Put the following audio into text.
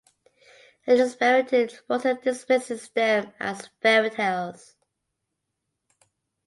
A dispirited Mosley dismisses them as fairy tales.